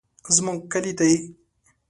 زمونږ کلي دي.